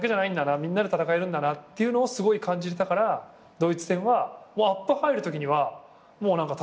みんなで戦えるんだなっていうのをすごい感じたからドイツ戦はアップ入るときにはもう何か楽しかった。